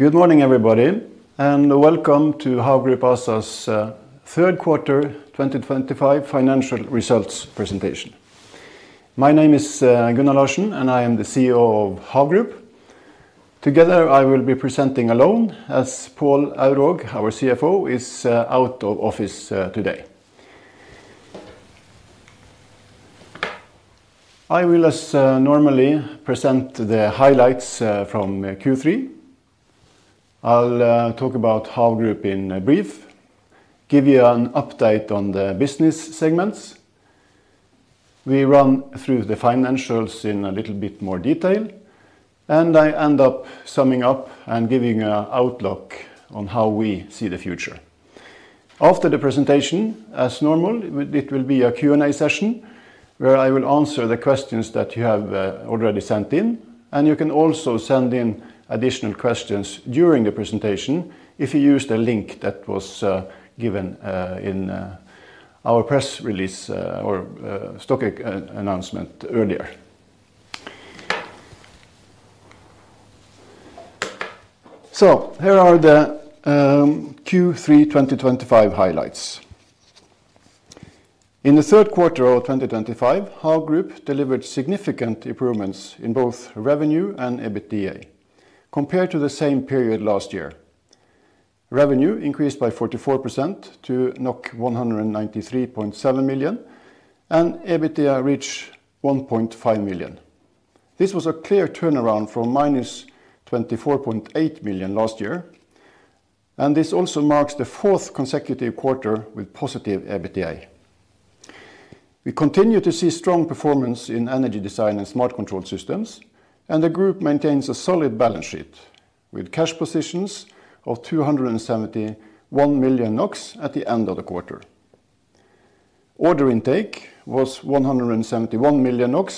Good morning, everybody, and welcome to HAV Group ASA's third quarter 2025 financial results presentation. My name is Gunnar Larsen, and I am the CEO of HAV Group. I will be presenting alone, as Pål Aurvåg, our CFO, is out of office today. I will, as normally, present the highlights from Q3. I'll talk about HAV Group in brief, give you an update on the business segments. We run through the financials in a little bit more detail, and I end up summing up and giving an outlook on how we see the future. After the presentation, as normal, it will be a Q&A session where I will answer the questions that you have already sent in, and you can also send in additional questions during the presentation if you used the link that was given in our press release or stock announcement earlier. Here are the Q3 2025 highlights. In the third quarter of 2025, HAV Group delivered significant improvements in both revenue and EBITDA compared to the same period last year. Revenue increased by 44% to 193.7 million, and EBITDA reached 1.5 million. This was a clear turnaround from minus 24.8 million last year, and this also marks the fourth consecutive quarter with positive EBITDA. We continue to see strong performance in energy design and smart control systems, and the group maintains a solid balance sheet with cash positions of 271 million NOK at the end of the quarter. Order intake was 171 million NOK,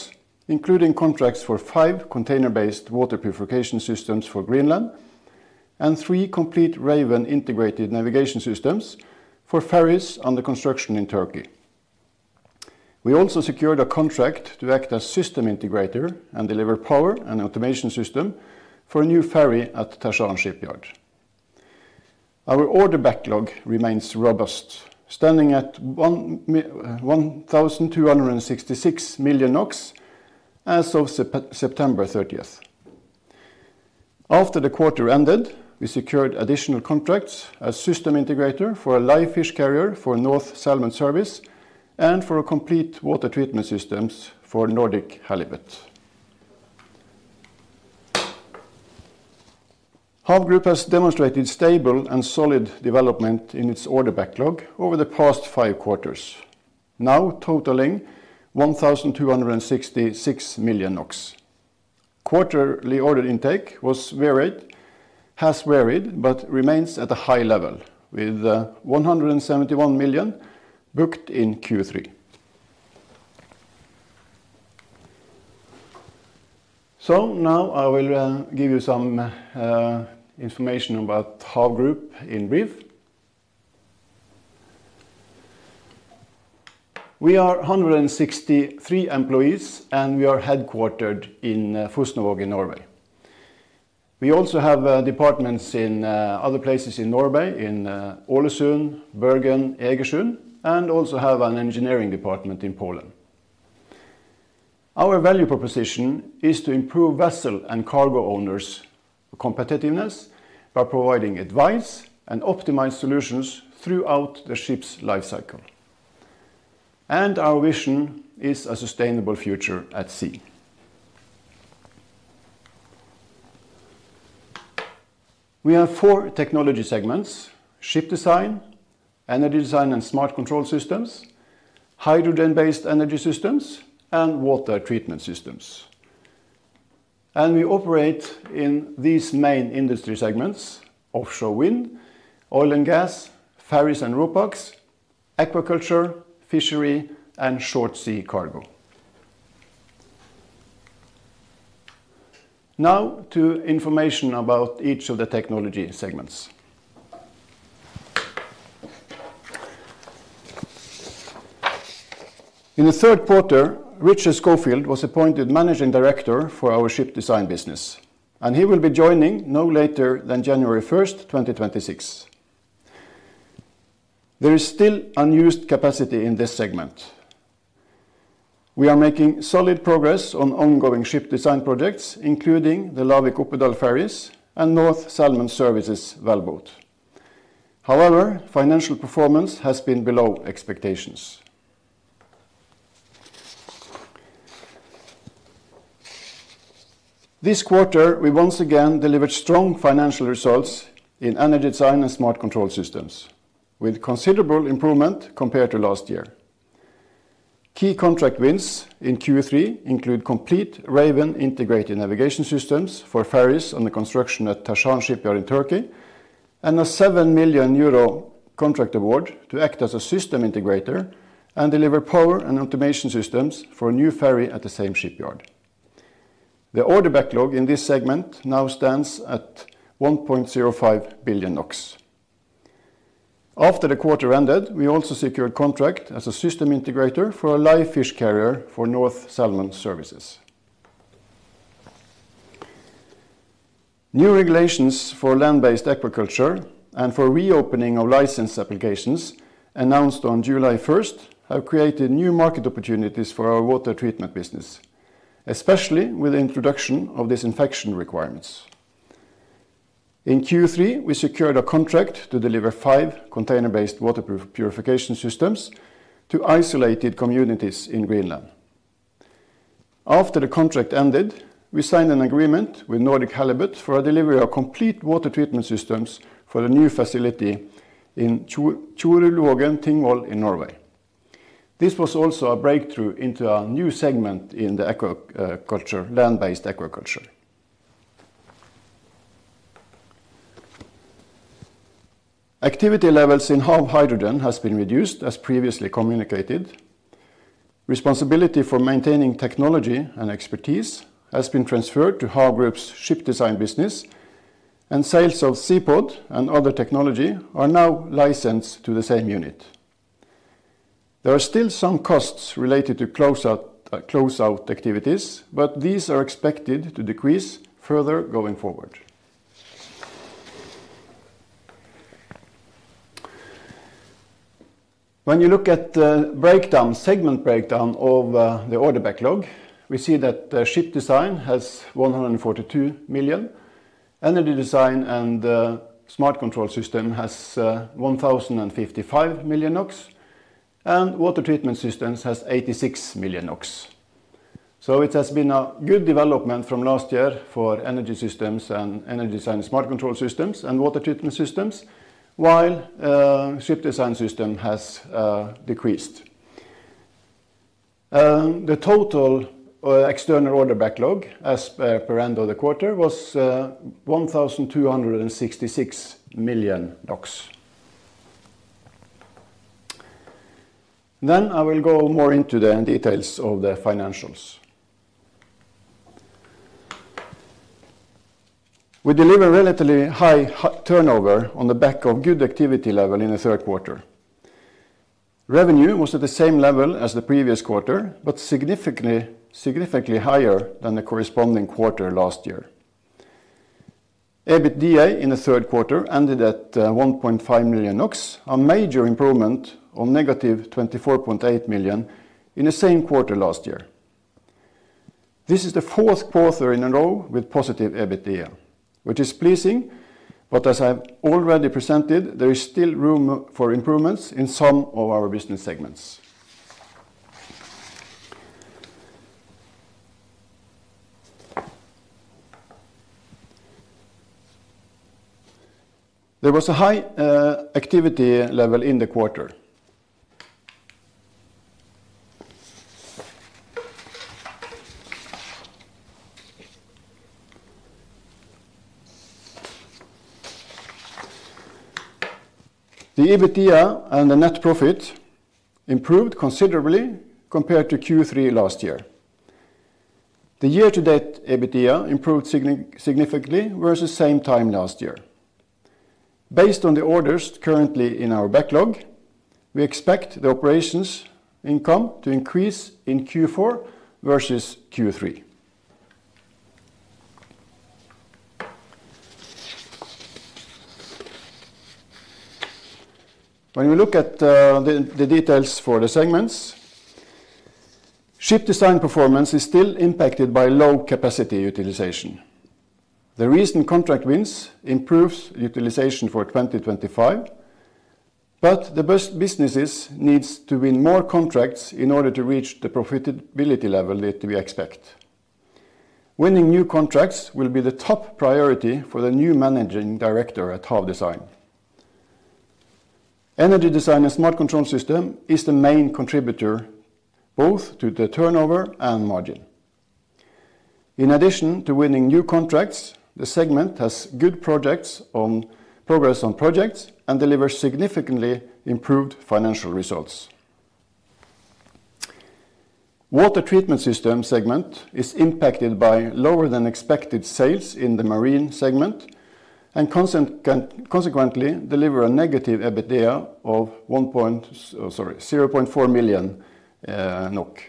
including contracts for five container-based water purification systems for Greenland and three complete Raven integrated navigation systems for ferries under construction in Turkey. We also secured a contract to act as system integrator and deliver power and automation system for a new ferry at Tersan Shipyard. Our order backlog remains robust, standing at 1,266 million NOK as of September 30th. After the quarter ended, we secured additional contracts as system integrator for a live fish carrier for North Salmon Services and for a complete water treatment system for Nordic Halibut. HAV Group has demonstrated stable and solid development in its order backlog over the past five quarters, now totaling 1,266 million NOK. Quarterly order intake has varied but remains at a high level, with 171 million booked in Q3. Now I will give you some information about HAV Group in brief. We are 163 employees, and we are headquartered in Fosnavåg in Norway. We also have departments in other places in Norway, in Ålesund, Bergen, Egersund, and also have an engineering department in Poland. Our value proposition is to improve vessel and cargo owners' competitiveness by providing advice and optimized solutions throughout the ship's life cycle. Our vision is a sustainable future at sea. We have four technology segments: ship design, energy design and smart control systems, hydrogen-based energy systems, and water treatment systems. We operate in these main industry segments: offshore wind, oil and gas, ferries and ropeworks, aquaculture, fishery, and short sea cargo. Now to information about each of the technology segments. In the third quarter, Richard Schofield was appointed Managing Director for our ship design business, and he will be joining no later than January 1, 2026. There is still unused capacity in this segment. We are making solid progress on ongoing ship design projects, including the Lavik-Oppedal ferries and North Salmon Services valveboat. However, financial performance has been below expectations. This quarter, we once again delivered strong financial results in energy design and smart control systems, with considerable improvement compared to last year. Key contract wins in Q3 include complete Raven integrated navigation systems for ferries under construction at Tersan Shipyard in Turkey, and a 7 million euro contract award to act as a system integrator and deliver power and automation systems for a new ferry at the same shipyard. The order backlog in this segment now stands at 1.05 billion NOK. After the quarter ended, we also secured a contract as a system integrator for a live fish carrier for North Salmon Services. New regulations for land-based aquaculture and for reopening of license applications announced on July 1st have created new market opportunities for our water treatment business, especially with the introduction of disinfection requirements. In Q3, we secured a contract to deliver five container-based water purification systems to isolated communities in Greenland. After the contract ended, we signed an agreement with Nordic Halibut for a delivery of complete water treatment systems for a new facility in Torjulvågen, Tingvoll in Norway. This was also a breakthrough into a new segment in the land-based aquaculture. Activity levels in HAV Hydrogen have been reduced, as previously communicated. Responsibility for maintaining technology and expertise has been transferred to HAV Group's ship design business, and sales of ZEPOD and other technology are now licensed to the same unit. There are still some costs related to closeout activities, but these are expected to decrease further going forward. When you look at the segment breakdown of the order backlog, we see that ship design has 142 million, energy design and smart control systems has 1,055 million NOK, and water treatment systems has 86 million NOK. It has been a good development from last year for energy systems and energy design smart control systems and water treatment systems, while ship design system has decreased. The total external order backlog as per end of the quarter was 1,266 million. I will go more into the details of the financials. We delivered a relatively high turnover on the back of good activity level in the third quarter. Revenue was at the same level as the previous quarter, but significantly higher than the corresponding quarter last year. EBITDA in the third quarter ended at 1.5 million NOK, a major improvement on negative 24.8 million in the same quarter last year. This is the fourth quarter in a row with positive EBITDA, which is pleasing, but as I've already presented, there is still room for improvements in some of our business segments. There was a high activity level in the quarter. The EBITDA and the net profit improved considerably compared to Q3 last year. The year-to-date EBITDA improved significantly versus the same time last year. Based on the orders currently in our backlog, we expect the operations income to increase in Q4 versus Q3. When we look at the details for the segments, ship design performance is still impacted by low capacity utilization. The recent contract wins improved utilization for 2025, but the business needs to win more contracts in order to reach the profitability level that we expect. Winning new contracts will be the top priority for the new Managing Director at HAV Design. Energy design and smart control systems is the main contributor both to the turnover and margin. In addition to winning new contracts, the segment has good progress on projects and delivers significantly improved financial results. Water treatment systems segment is impacted by lower than expected sales in the marine segment and consequently delivers a negative EBITDA of 0.4 million NOK.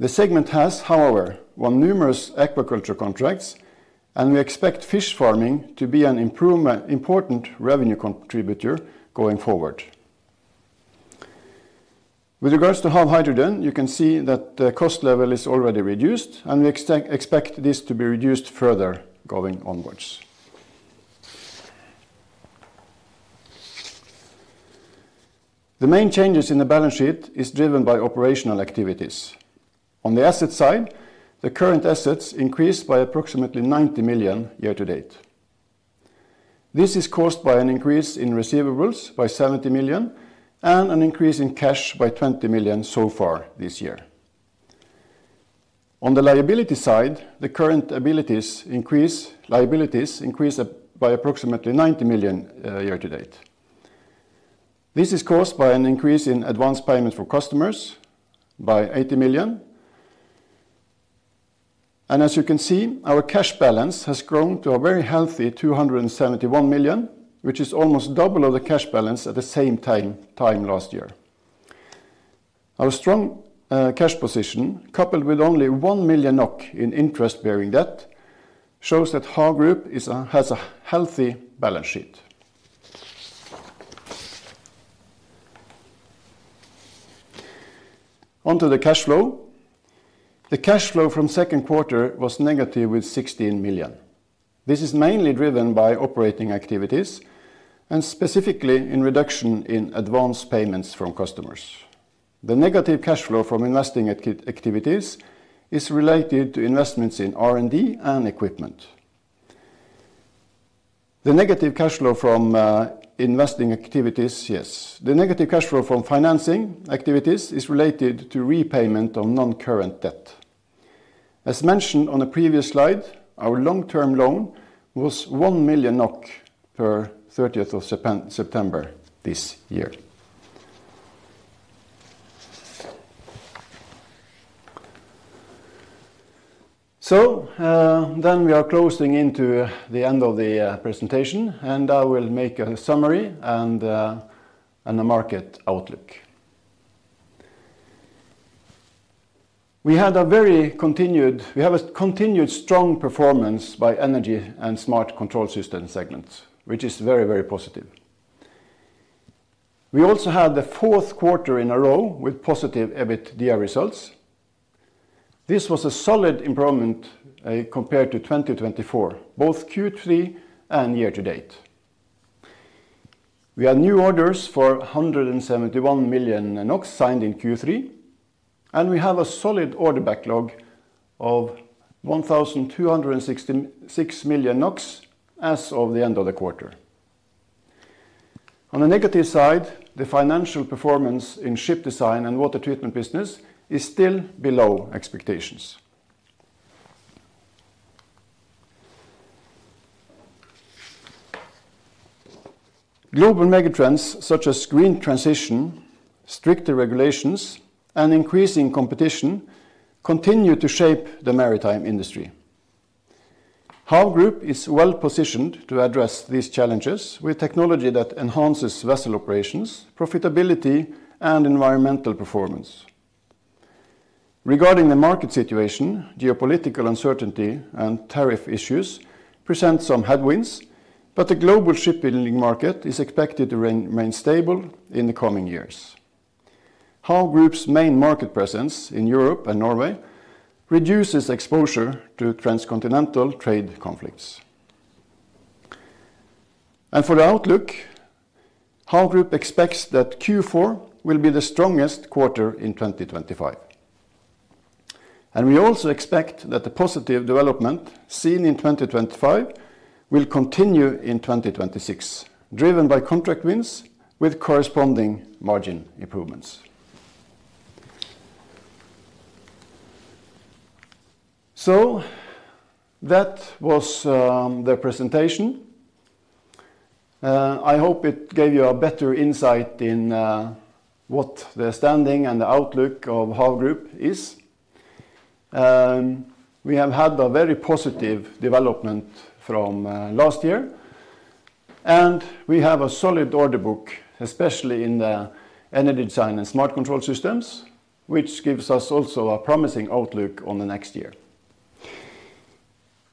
The segment has, however, won numerous aquaculture contracts, and we expect fish farming to be an important revenue contributor going forward. With regards to HAV Hydrogen, you can see that the cost level is already reduced, and we expect this to be reduced further going onwards. The main changes in the balance sheet are driven by operational activities. On the asset side, the current assets increased by approximately 90 million year-to-date. This is caused by an increase in receivables by 70 million and an increase in cash by 20 million so far this year. On the liability side, the current liabilities increased by approximately 90 million year-to-date. This is caused by an increase in advance payment for customers by 80 million. As you can see, our cash balance has grown to a very healthy 271 million, which is almost double the cash balance at the same time last year. Our strong cash position, coupled with only 1 million NOK in interest-bearing debt, shows that HAV Group has a healthy balance sheet. Onto the cash flow. The cash flow from second quarter was negative with 16 million. This is mainly driven by operating activities and specifically in reduction in advance payments from customers. The negative cash flow from investing activities is related to investments in R&D and equipment. The negative cash flow from investing activities, yes. The negative cash flow from financing activities is related to repayment of non-current debt. As mentioned on the previous slide, our long-term loan was 1 million NOK per 30th of September this year. We are closing into the end of the presentation, and I will make a summary and a market outlook. We have a continued strong performance by energy and smart control system segment, which is very, very positive. We also had the fourth quarter in a row with positive EBITDA results. This was a solid improvement compared to 2024, both Q3 and year-to-date. We had new orders for 171 million NOK signed in Q3, and we have a solid order backlog of 1,266 million NOK as of the end of the quarter. On the negative side, the financial performance in ship design and water treatment business is still below expectations. Global megatrends such as green transition, stricter regulations, and increasing competition continue to shape the maritime industry. HAV Group is well positioned to address these challenges with technology that enhances vessel operations, profitability, and environmental performance. Regarding the market situation, geopolitical uncertainty and tariff issues present some headwinds, but the global shipping market is expected to remain stable in the coming years. HAV Group's main market presence in Europe and Norway reduces exposure to transcontinental trade conflicts. For the outlook, HAV Group expects that Q4 will be the strongest quarter in 2025. We also expect that the positive development seen in 2025 will continue in 2026, driven by contract wins with corresponding margin improvements. That was the presentation. I hope it gave you a better insight in what the standing and the outlook of HAV Group is. We have had a very positive development from last year, and we have a solid order book, especially in the energy design and smart control systems, which gives us also a promising outlook on the next year.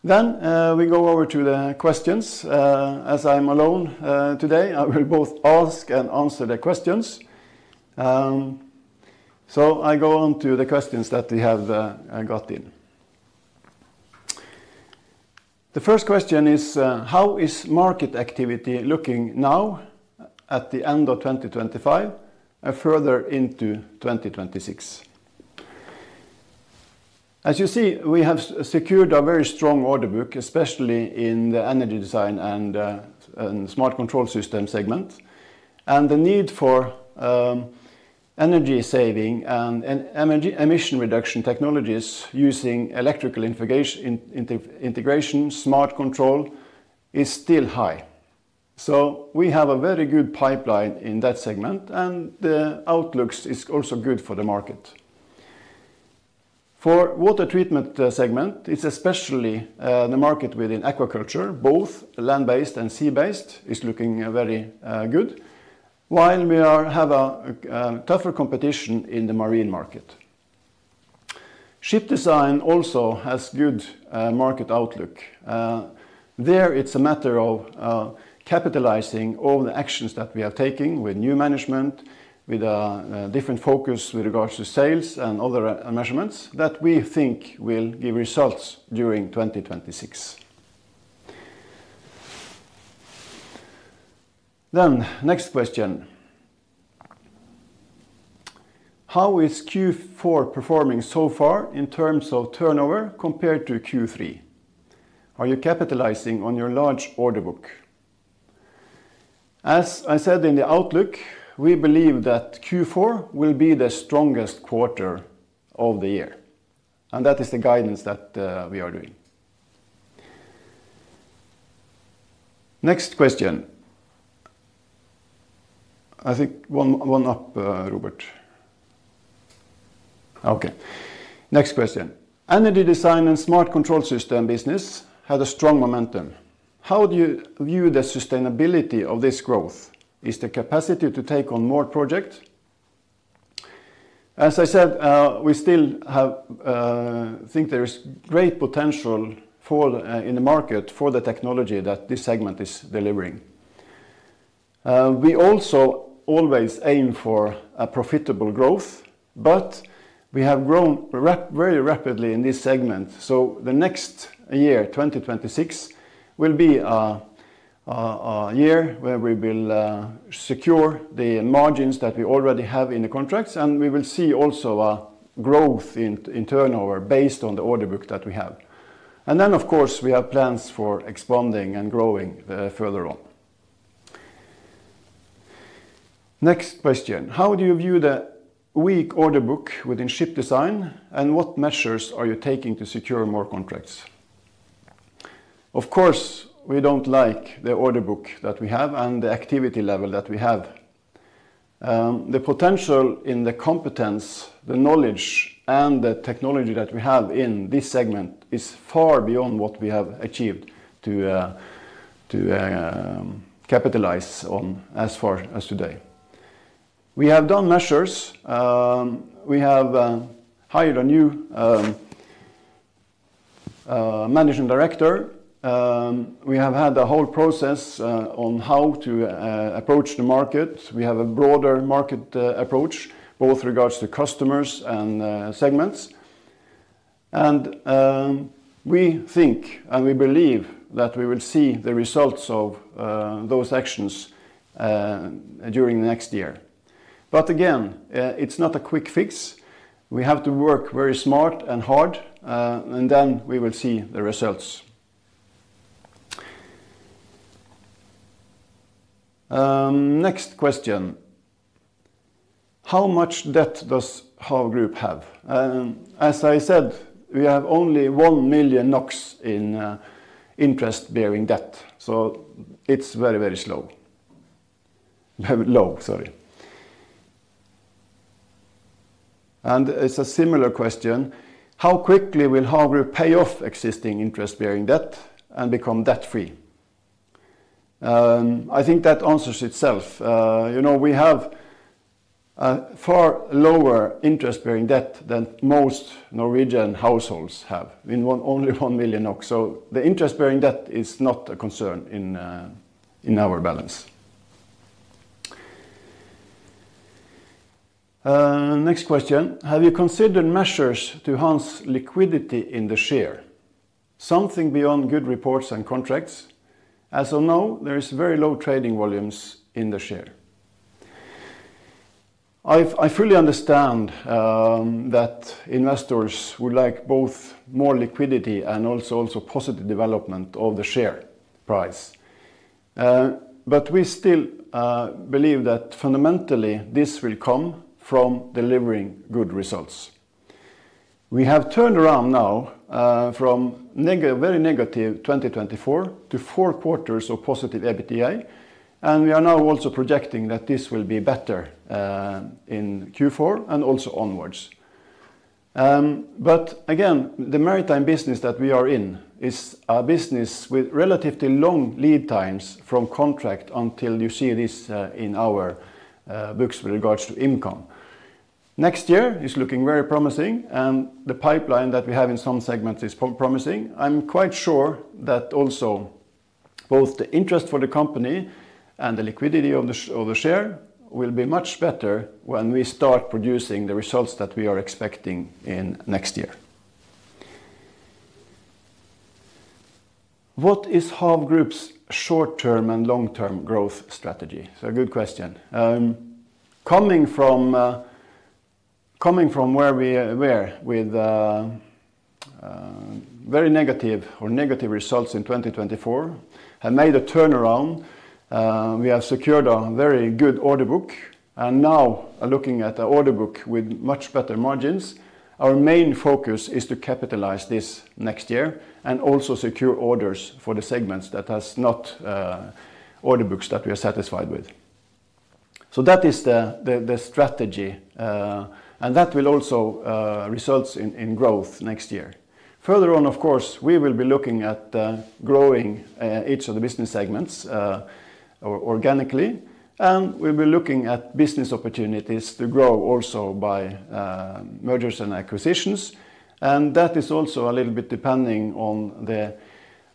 We go over to the questions. As I'm alone today, I will both ask and answer the questions. I go on to the questions that we have got in. The first question is, how is market activity looking now at the end of 2025 and further into 2026? As you see, we have secured a very strong order book, especially in the energy design and smart control system segment, and the need for energy saving and emission reduction technologies using electrical integration, smart control is still high. We have a very good pipeline in that segment, and the outlook is also good for the market. For water treatment segment, it's especially the market within aquaculture, both land-based and sea-based, is looking very good, while we have a tougher competition in the marine market. Ship design also has a good market outlook. There, it's a matter of capitalizing all the actions that we are taking with new management, with a different focus with regards to sales and other measurements that we think will give results during 2026. Next question. How is Q4 performing so far in terms of turnover compared to Q3? Are you capitalizing on your large order book? As I said in the outlook, we believe that Q4 will be the strongest quarter of the year, and that is the guidance that we are doing. Next question. I think one up, Robert. Okay. Next question. Energy design and smart control system business had a strong momentum. How do you view the sustainability of this growth? Is the capacity to take on more projects? As I said, we still think there is great potential in the market for the technology that this segment is delivering. We also always aim for a profitable growth, but we have grown very rapidly in this segment. The next year, 2026, will be a year where we will secure the margins that we already have in the contracts, and we will see also a growth in turnover based on the order book that we have. Of course, we have plans for expanding and growing further on. Next question. How do you view the weak order book within ship design, and what measures are you taking to secure more contracts? Of course, we do not like the order book that we have and the activity level that we have. The potential in the competence, the knowledge, and the technology that we have in this segment is far beyond what we have achieved to capitalize on as far as today. We have done measures. We have hired a new managing director. We have had a whole process on how to approach the market. We have a broader market approach, both regards to customers and segments. We think and we believe that we will see the results of those actions during the next year. It is not a quick fix. We have to work very smart and hard, and then we will see the results. Next question. How much debt does HAV Group have? As I said, we have only 1 million NOK in interest-bearing debt, so it's very, very low. Sorry. It's a similar question. How quickly will HAV Group pay off existing interest-bearing debt and become debt-free? I think that answers itself. We have a far lower interest-bearing debt than most Norwegian households have, only 1 million NOK. The interest-bearing debt is not a concern in our balance. Next question. have you considered measures to enhance liquidity in the share? Something beyond good reports and contracts? As of now, there are very low trading volumes in the share. I fully understand that investors would like both more liquidity and also positive development of the share price. We still believe that fundamentally this will come from delivering good results. We have turned around now from a very negative 2024 to four quarters of positive EBITDA, and we are now also projecting that this will be better in Q4 and also onwards. The maritime business that we are in is a business with relatively long lead times from contract until you see this in our books with regards to income. Next year is looking very promising, and the pipeline that we have in some segments is promising. I'm quite sure that also both the interest for the company and the liquidity of the share will be much better when we start producing the results that we are expecting in next year. What is HAV Group's short-term and long-term growth strategy? It's a good question. Coming from where we were with very negative or negative results in 2024, we have made a turnaround. We have secured a very good order book, and now looking at an order book with much better margins, our main focus is to capitalize this next year and also secure orders for the segments that have not order books that we are satisfied with. That is the strategy, and that will also result in growth next year. Further on, of course, we will be looking at growing each of the business segments organically, and we will be looking at business opportunities to grow also by mergers and acquisitions. That is also a little bit depending on the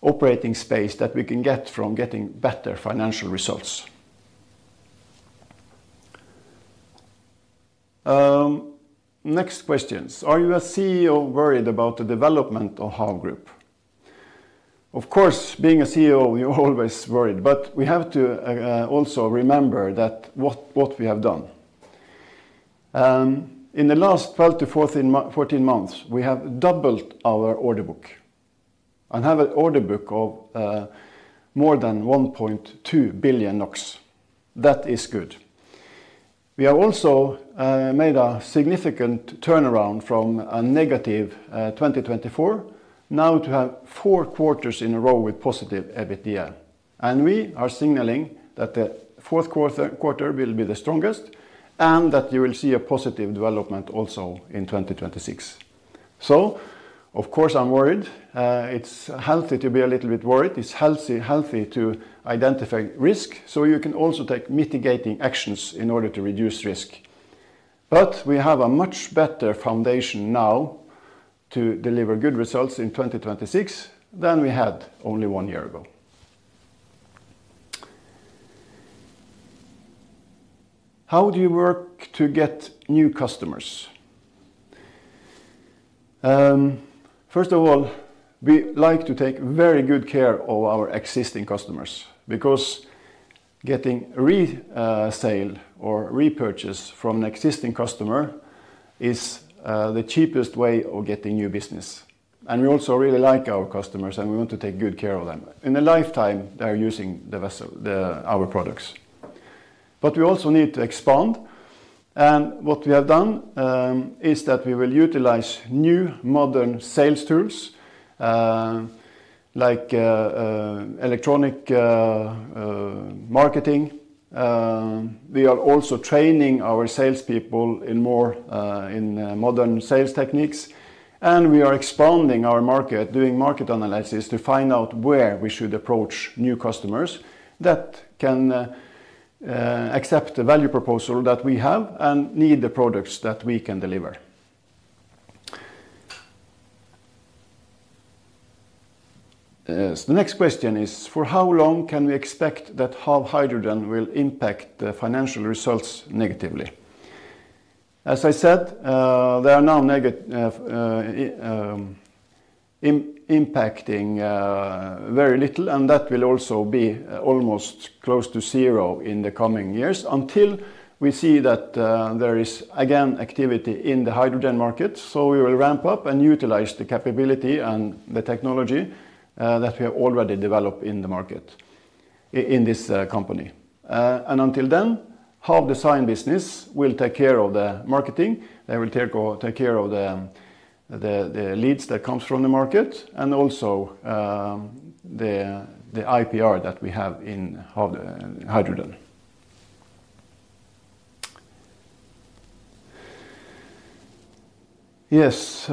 operating space that we can get from getting better financial results. Next questions. Are you a CEO worried about the development of HAV Group? Of course, being a CEO, you're always worried, but we have to also remember what we have done. In the last 12 months-14 months, we have doubled our order book and have an order book of more than 1.2 billion NOK. That is good. We have also made a significant turnaround from a negative 2024, now to have four quarters in a row with positive EBITDA. We are signaling that the fourth quarter will be the strongest and that you will see a positive development also in 2026. Of course, I'm worried. It's healthy to be a little bit worried. It's healthy to identify risk, so you can also take mitigating actions in order to reduce risk. We have a much better foundation now to deliver good results in 2026 than we had only one year ago. How do you work to get new customers? First of all, we like to take very good care of our existing customers because getting resale or repurchase from an existing customer is the cheapest way of getting new business. We also really like our customers, and we want to take good care of them. In a lifetime, they're using our products. We also need to expand. What we have done is that we will utilize new modern sales tools like electronic marketing. We are also training our salespeople in more modern sales techniques, and we are expanding our market, doing market analysis to find out where we should approach new customers that can accept the value proposal that we have and need the products that we can deliver. The next question is, for how long can we expect that HAV Hydrogen will impact the financial results negatively? As I said, they are now impacting very little, and that will also be almost close to zero in the coming years until we see that there is again activity in the hydrogen market. We will ramp up and utilize the capability and the technology that we have already developed in the market in this company. Until then, HAV Design Business will take care of the marketing. They will take care of the leads that come from the market and also the IPR that we have in HAV Hydrogen. Yes.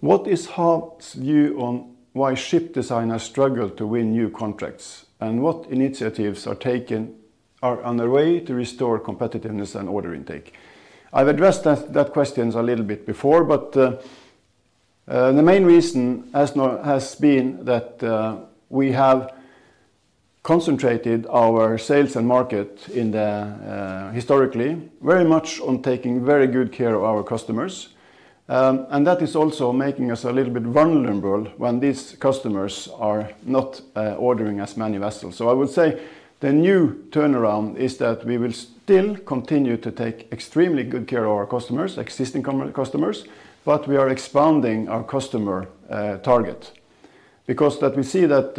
What is HAV's view on why ship designers struggle to win new contracts and what initiatives are underway to restore competitiveness and order intake? I've addressed that question a little bit before, but the main reason has been that we have concentrated our sales and market historically very much on taking very good care of our customers. That is also making us a little bit vulnerable when these customers are not ordering as many vessels. I would say the new turnaround is that we will still continue to take extremely good care of our customers, existing customers, but we are expanding our customer target because we see that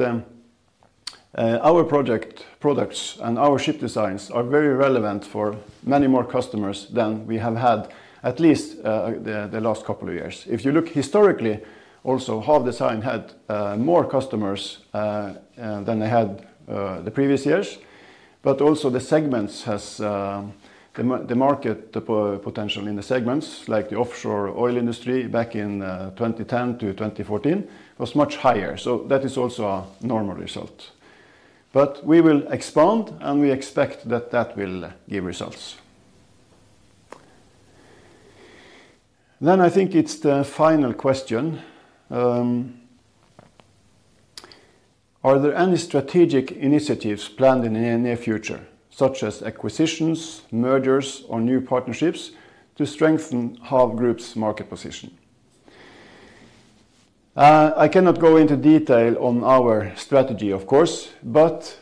our project products and our ship designs are very relevant for many more customers than we have had at least the last couple of years. If you look historically, also, HAV Design had more customers than they had the previous years, but also the market potential in the segments, like the offshore oil industry back in 2010-2014, was much higher. That is also a normal result. We will expand, and we expect that that will give results. I think it's the final question. Are there any strategic initiatives planned in the near future, such as acquisitions, mergers, or new partnerships to strengthen HAV Group's market position? I cannot go into detail on our strategy, of course, but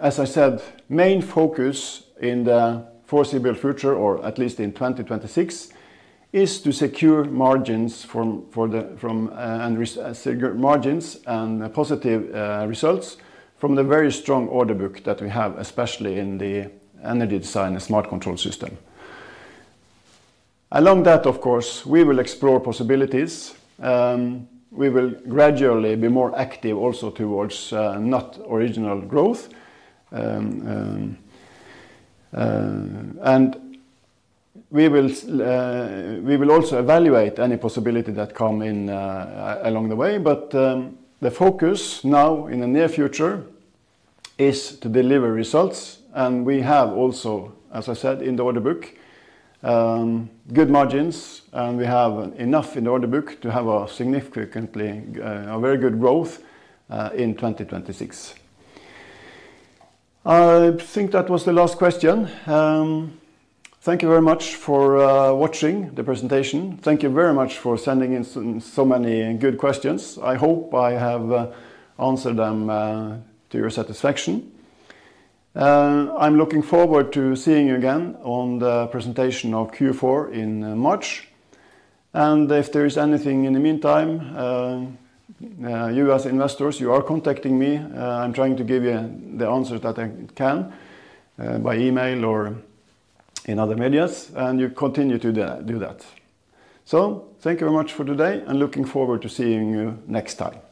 as I said, the main focus in the foreseeable future, or at least in 2026, is to secure margins and positive results from the very strong order book that we have, especially in the energy design and smart control system. Along that, of course, we will explore possibilities. We will gradually be more active also towards not original growth. We will also evaluate any possibility that comes along the way. The focus now in the near future is to deliver results. We have also, as I said, in the order book, good margins, and we have enough in the order book to have a very good growth in 2026. I think that was the last question. Thank you very much for watching the presentation. Thank you very much for sending in so many good questions. I hope I have answered them to your satisfaction. I am looking forward to seeing you again on the presentation of Q4 in March. If there is anything in the meantime, you as investors, you are contacting me. I am trying to give you the answers that I can by email or in other medias, and you continue to do that. Thank you very much for today, and looking forward to seeing you next time.